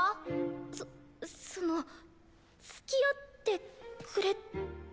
そそのつきあってくれって。